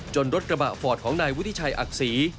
รถกระบะฟอร์ดของนายวุฒิชัยอักษี